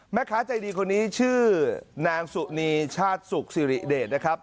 แม่ค้าใจดีคนนี้ชื่อนางสุนีชาติสุขสิริเดชนะครับ